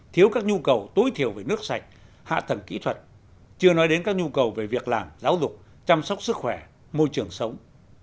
thiếu các nhu cầu tối thiểu về nước sạch hạ tầng kỹ thuật chưa nói đến các nhu cầu về việc làm giáo dục chăm sóc sức khỏe môi trường sống